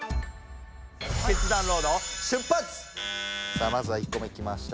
さあまずは１個目来ました。